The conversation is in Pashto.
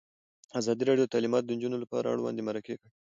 ازادي راډیو د تعلیمات د نجونو لپاره اړوند مرکې کړي.